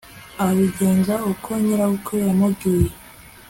abigenza uko nyirabukwe yamubwiye